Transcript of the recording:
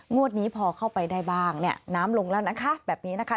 นี้พอเข้าไปได้บ้างเนี่ยน้ำลงแล้วนะคะแบบนี้นะคะ